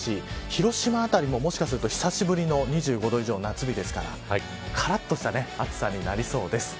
広島辺りも、もしかしたら久しぶりの２５度以上夏日ですからからっとした暑さになりそうです。